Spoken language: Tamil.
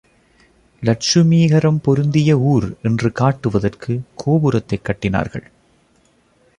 லட்சுமீகரம் பொருந்திய ஊர் என்று காட்டுவதற்குக் கோபுரத்தைக் கட்டினார்கள்.